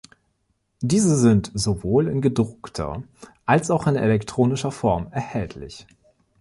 Diese sind sowohl in gedruckter als auch in elektronischer Form erhältlich.